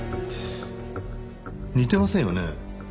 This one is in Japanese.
似てませんよね？